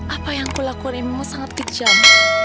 apa yang kulakukan emang sangat kejam